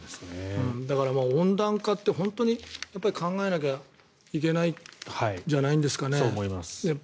だから温暖化って本当に考えなきゃいけないんじゃないですかね。